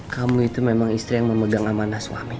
kamu itu memang istri yang memegang amanah suami